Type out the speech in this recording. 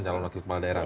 calon wakil kepala daerah